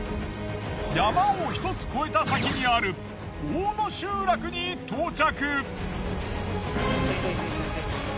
山を１つ越えた先にある大野集落に到着。